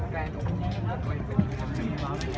คุยคุยกัน